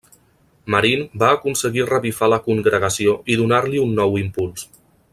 Marín va aconseguir revifar la congregació i donar-li un nou impuls.